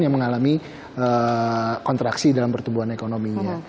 yang mengalami kontraksi dalam pertumbuhan ekonominya